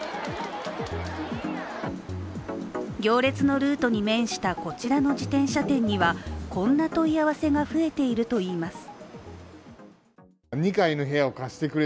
行列のルートに面したこちらの自転車店にはこんな問い合わせが増えているといいます。